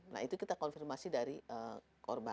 nah itu kita konfirmasi dari korban